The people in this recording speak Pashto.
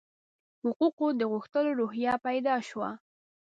حقوقو د غوښتلو روحیه پیدا شوه.